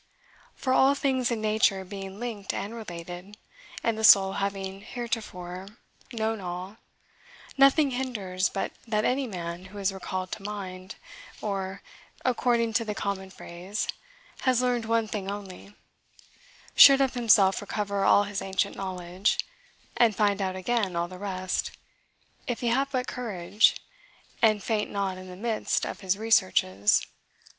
"For, all things in nature being linked and related, and the soul having heretofore known all, nothing hinders but that any man who has recalled to mind, or, according to the common phrase, has learned one thing only, should of himself recover all his ancient knowledge, and find out again all the rest, if he have but courage, and faint not in the midst of his researches.